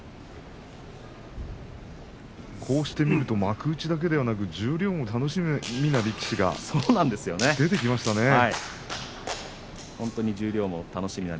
こうして見ると幕内だけではなく十両でも楽しみな力士が出てきましたね。